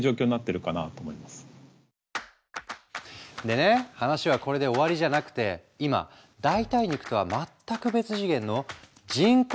でね話はこれで終わりじゃなくて今代替肉とは全く別次元の人工肉の開発も爆速で進んでるの。